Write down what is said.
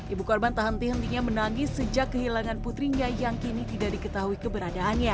ibu korban tak henti hentinya menangis sejak kehilangan putrinya yang kini tidak diketahui keberadaannya